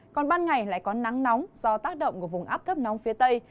còn ban ngày lại có nắng nóng do tác động của vùng áp thấp nóng phía tây